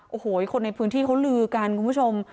โอ้โหคนในพื้นที่เขาลือกันคุณผู้ชม